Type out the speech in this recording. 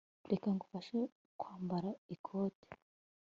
reka ngufashe kwambara ikote